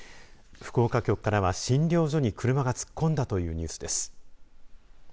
福岡局からは診療所に車が突っ込んだというニュースです。